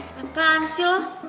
patahan sih lo